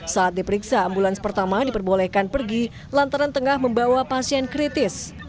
saat diperiksa ambulans pertama diperbolehkan pergi lantaran tengah membawa pasien kritis